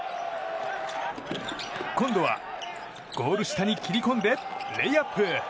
今度はゴール下に切り込んでレイアップ。